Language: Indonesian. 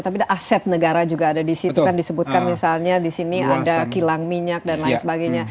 tapi ada aset negara juga ada di situ kan disebutkan misalnya di sini ada kilang minyak dan lain sebagainya